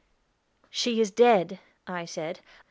"She is dead," I said.